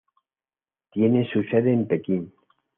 Tiene su sede en Pekín.